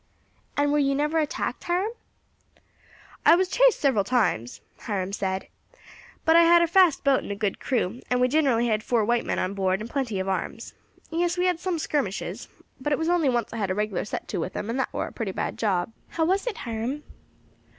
"And were you never attacked, Hiram?" "I was chased several times," Hiram said; "but I had a fast boat and a good crew, and we generally had four white men on board then, and plenty of arms. Yes, we had some skirmishes, but it was only once I had a regular set to with 'em, and that war a pretty bad job." "How was it, Hiram?"